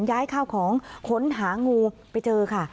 ย้ายข้าวของค้นหางูไปเจอค่ะ